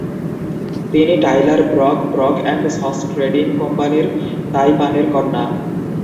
তিনি Tyler Brock, Brock and Sons trading কোম্পানির তাই-পানের কন্যা।